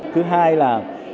thứ hai là